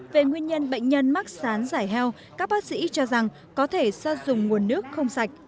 về nguyên nhân bệnh nhân mắc sán giải heo các bác sĩ cho rằng có thể sa dùng nguồn nước không sạch